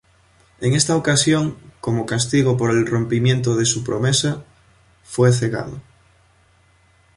En esa ocasión, como castigo por el rompimiento de su promesa, fue cegado.